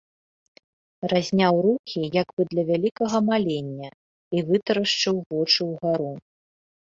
Разняў рукі як бы для вялікага малення і вытарашчыў вочы ўгару.